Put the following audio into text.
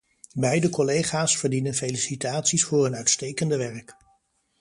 Beide collega's verdienen felicitaties voor hun uitstekende werk.